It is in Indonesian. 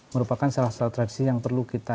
merupakan salah satu tradisi yang perlu kita